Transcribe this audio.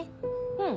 うん。